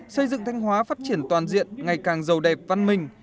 xây dựng thanh hóa phát triển toàn diện ngày càng giàu đẹp văn minh